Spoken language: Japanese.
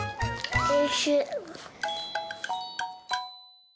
おいしい。